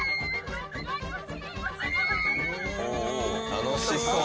楽しそう。